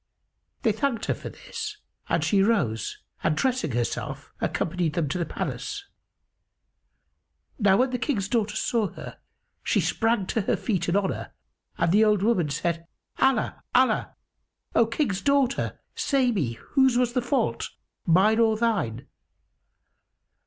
They thanked her for this and she rose and dressing herself accompanied them to the palace. Now when the King's daughter saw her, she sprang to her feet in honour, and the old woman said, "Allah! Allah! O King's daughter, say me, whose was the fault, mine or thine?"